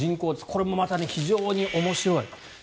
これもまた非常に面白い。